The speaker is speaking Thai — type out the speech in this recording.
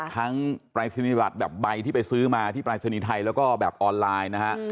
ทั้งปลายสินิบัตรแบบใบที่ไปซื้อมาที่ปลายสินิทัยแล้วก็แบบออนไลน์นะครับ